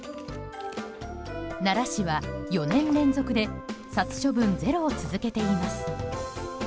奈良市は４年連続で殺処分ゼロを続けています。